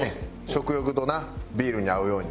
食欲となビールに合うように。